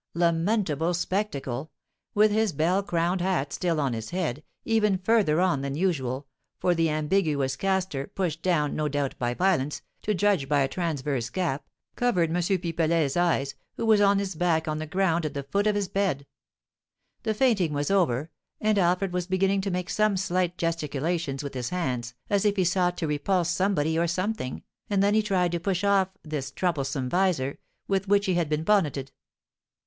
Lamentable spectacle! With his bell crowned hat still on his head, even further on than usual, for the ambiguous castor, pushed down, no doubt, by violence, to judge by a transverse gap, covered M. Pipelet's eyes, who was on his back on the ground at the foot of his bed. The fainting was over, and Alfred was beginning to make some slight gesticulations with his hands, as if he sought to repulse somebody or something, and then he tried to push off this troublesome visor, with which he had been bonneted.